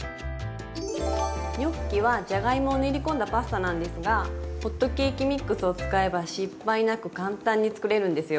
ニョッキはじゃがいもを練り込んだパスタなんですがホットケーキミックスを使えば失敗なく簡単に作れるんですよ。